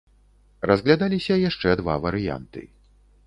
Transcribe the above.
Разглядаліся яшчэ два варыянты.